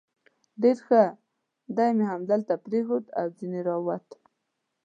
ډېر ښه، دی مې همدلته پرېښود او ځنې را ووتم.